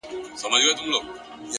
د ژوند ارزښت په نښه پرېښودلو کې دی،